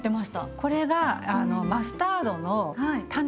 これがマスタードの種。